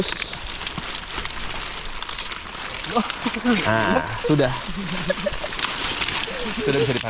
sistem di menjelaskan